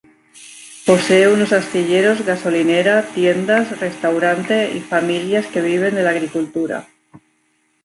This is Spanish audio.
Posee unos astilleros, gasolinera, tiendas, restaurante y familias que viven de la agricultura.